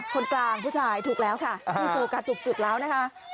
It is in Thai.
คนกลางผู้ชายถูกแล้วค่ะที่โฟกัสถูกจุดแล้วนะคะ